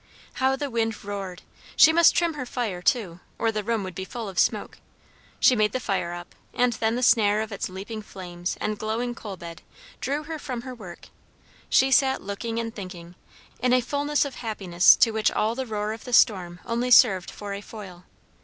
How the wind roared! She must trim her fire too, or the room would be full of smoke. She made the fire up; and then the snare of its leaping flames and glowing coal bed drew her from her work; she sat looking and thinking, in a fulness of happiness to which all the roar of the storm only served for a foil.